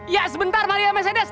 ya sebentar maria mercedes